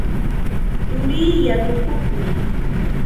Turii yanukuqmi.